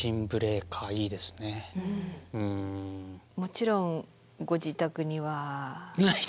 もちろんご自宅には？